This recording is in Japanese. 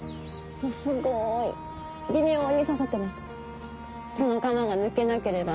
すごい微妙に刺さってます。